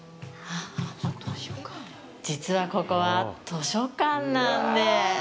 実は、ここは図書館なんです。